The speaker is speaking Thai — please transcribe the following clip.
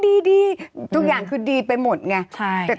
อันนี้ก็ดีทุกอย่างทุกอย่างดีไปหมดเนี่ย